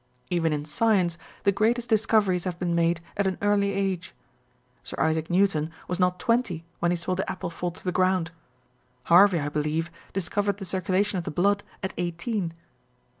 Even in science the greatest discoveries have been made at any early age. Sir Isaac Newton was not twenty when he saw the apple fall to the ground. Harvey, I believe, discovered the circulation of the blood at eighteen.